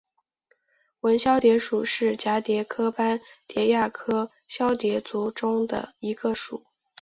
纹绡蝶属是蛱蝶科斑蝶亚科绡蝶族中的一个属。